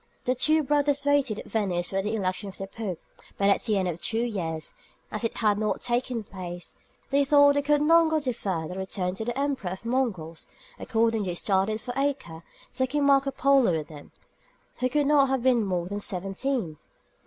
The two brothers waited at Venice for the election of the Pope, but at the end of two years, as it had not taken place, they thought they could no longer defer their return to the Emperor of the Mongols; accordingly they started for Acre, taking Marco Polo with them, who could not then have been more than seventeen.